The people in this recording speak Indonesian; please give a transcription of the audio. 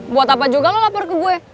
buat apa juga lu lapar ke gue